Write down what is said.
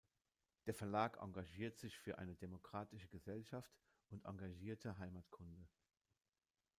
Der Verlag engagiert sich für eine demokratische Gesellschaft und engagierte Heimatkunde.